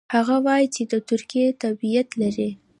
هغه وايي چې د ترکیې تابعیت لري.